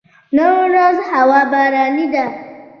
نن ورځ هوا باراني ده